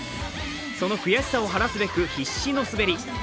その悔しさを晴らすべく、必死の滑り。